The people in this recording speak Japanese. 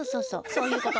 そういうこと。